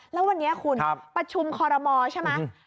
แล้ววันนี้คุณประชุมคอรมอใช่ไหม